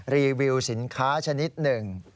รีวิวสินค้าชนิดหนึ่ง